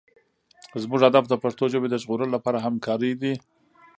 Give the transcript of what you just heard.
زموږ هدف د پښتو ژبې د ژغورلو لپاره همکارۍ دي.